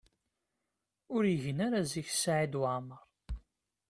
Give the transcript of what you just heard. Ur igin ara zik Saɛid Waɛmaṛ.